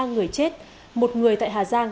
ba người chết một người tại hà giang